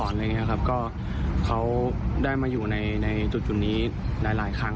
อะไรอย่างเงี้ยครับก็เขาได้มาอยู่ในจุดนี้หลายหลายครั้ง